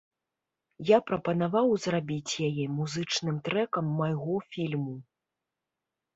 Я прапанаваў зрабіць яе музычным трэкам майго фільму.